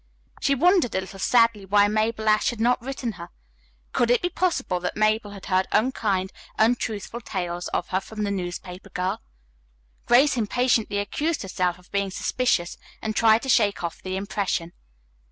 She wondered a little sadly why Mabel Ashe had not written her. Could it be possible that Mabel had heard unkind, untruthful tales of her from the newspaper girl? Grace impatiently accused herself of being suspicious and tried to shake off the impression.